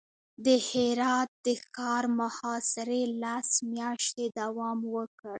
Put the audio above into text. د هرات د ښار محاصرې لس میاشتې دوام وکړ.